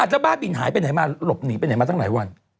เจ้าบ้าบินหายไปไหนมาหลบหนีไปไหนมาตั้งหลายวัน